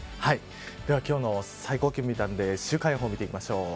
では今日の最高気温を見たんで週間予報を見ていきましょう。